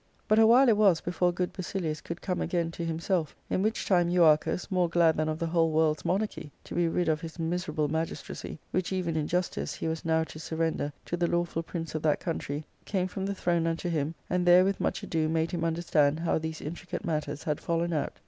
But a while it was before good Basilius could come again to himself, in which time Euarchus, more glad than of the whole world's monarchy to be rid of his miserable magis tracy, which even in justice he was now to surrender to the lawful prince of that country, came from the throne unto him, and there with much ado made him imderstand how these intricate matters had fallen out.